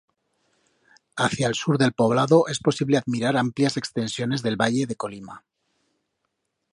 Hacia el sur del poblado es posible admirar amplias extensiones del Valle de Colima.